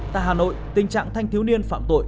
tại hà nội tình trạng thanh thiếu niên phạm tội